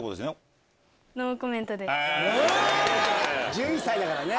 １１歳だからね。